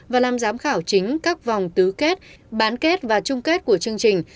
và làm giám khảo chính các vòng tứ kết bán kết và chung kết của chương trình